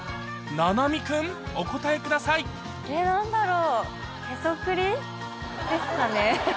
菜波君お答えくださいえっ何だろう？ですかね？